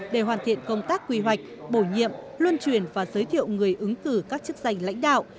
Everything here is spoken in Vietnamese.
để hoàn thiện công tác quy hoạch bổ nhiệm luân truyền và giới thiệu người ứng cử các chức danh lãnh đạo